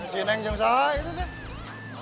ini si neng yang sah itu tuh